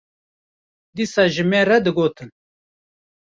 dîsa ji me re digotin